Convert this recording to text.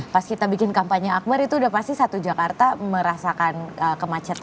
pas kita bikin kampanye akbar itu udah pasti satu jakarta merasakan kemacetan